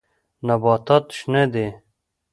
نباتات شنه دي.